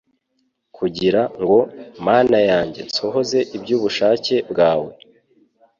kugira ngo, Mana yanjye nsohoze iby'ubushake bwawe."